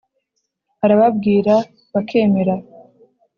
Arababwira bakemera.